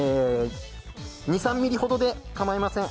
２３ｍｍほどで構いません。